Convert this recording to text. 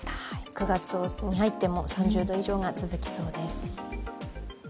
９月に入っても３０度以上が続きそうです。